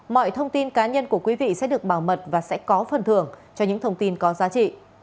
mọi thông tin cá nhân của quý vị sẽ được bảo mật và sẽ có phần thưởng cho những thông tin có giá trị